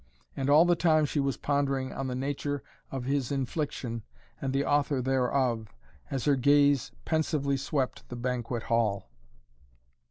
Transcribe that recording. And all the time she was pondering on the nature of his infliction and the author thereof, as her gaze pensively swept the banquet hall.